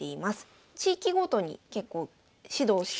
地域ごとに結構指導してる。